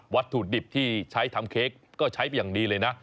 วัตถุดิบที่ใช้ทำเค้กก็ใช้ไปอย่างดีเลยนะ